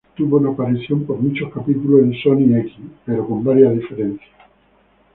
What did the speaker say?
Tuvo una aparición por muchos capítulos en "Sonic X", pero con varias diferencias.